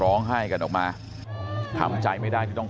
ตรของหอพักที่อยู่ในเหตุการณ์เมื่อวานนี้ตอนค่ำบอกให้ช่วยเรียกตำรวจให้หน่อย